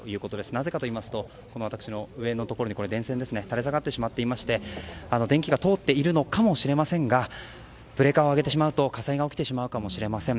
なぜかといいますと私の上のところに電線が垂れ下がってしまっていまして電気が通っているのかもしれませんがブレーカーを上げてしまうと火災が起きてしまうかもしれません。